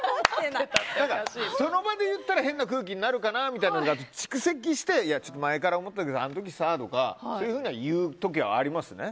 その場で言ったら変な空気になるかなというのが蓄積して、前から思ってたけどあの時さとかっていうふうには言う時ありますね。